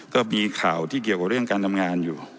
ก็มีข่าวที่เกี่ยวกับเรื่องการทำงานอยู่